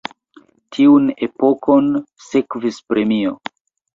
Tiun epokon sekvis Permio.